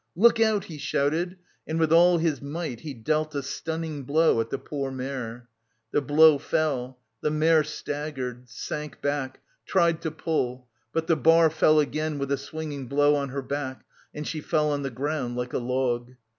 "Look out," he shouted, and with all his might he dealt a stunning blow at the poor mare. The blow fell; the mare staggered, sank back, tried to pull, but the bar fell again with a swinging blow on her back and she fell on the ground like a log.